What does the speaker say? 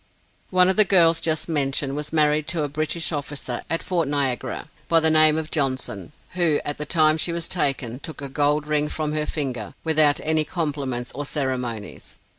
One of the girls just mentioned, was married to a British officer at Fort Niagara, by the name of Johnson, who at the time she was taken, took a gold ring from her finger, without any compliments or ceremonies.